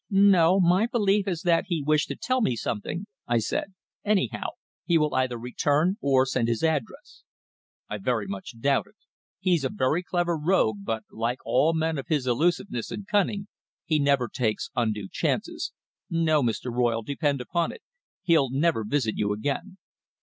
"No. My belief is that he wished to tell me something," I said. "Anyhow, he will either return or send his address." "I very much doubt it. He's a clever rogue, but, like all men of his elusiveness and cunning, he never takes undue chances. No, Mr. Royle, depend upon it, he'll never visit you again."